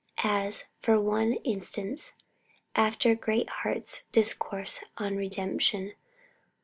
As, for one instance, after Greatheart's discourse on redemption.